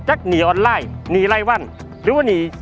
จากหนีออนไลน์หนีไลว่นหรือว่านี่